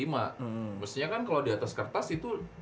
maksudnya kan kalo di atas kertas itu